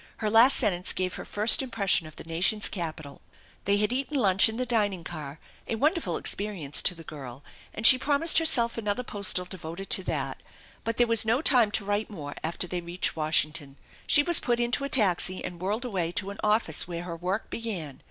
Her last sentence gave her first impression of the nation's capital. They had eaten lunch in the dining car, a wonderful experience to the girl, and she promised herself another postal devoted to that, but there was no time to write more after they reached Washington. She was put into a taxi and whirled away to an office where her work began.